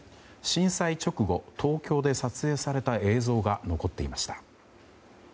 震災直後、東京で撮影された映像が残っていました。